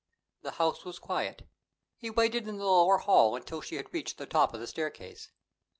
The house was quiet. He waited in the lower hall until she had reached the top of the staircase.